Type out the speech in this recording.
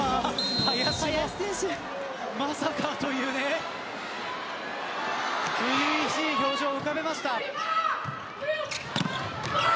林選手がまさかという初々しい表情を浮かべました。